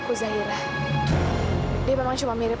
aku baru sadar kalau dia itu mirip banget sama ayah kamu